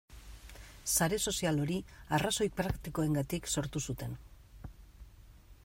Sare sozial hori arrazoi praktikoengatik sortu zuten.